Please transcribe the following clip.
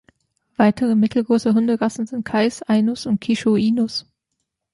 Weitere mittelgroße Hunderassen sind Kais, Ainus und Kishu-Inus.